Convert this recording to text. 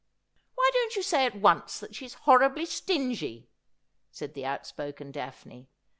' Why don't you say at once that she's horribly stingy ?' said the outspoken Daphne.